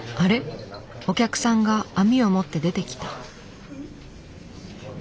お客さんが網を持って出てきた。